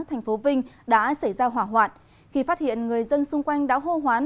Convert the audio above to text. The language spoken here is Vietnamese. thành phố vinh đã xảy ra hỏa hoạn khi phát hiện người dân xung quanh đã hô hoán